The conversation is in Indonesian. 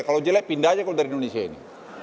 kalau jelek pindah aja kalau dari indonesia ini